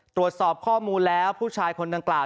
ตรวจสอบข้อมูลแล้วผู้ชายคนดังกล่าว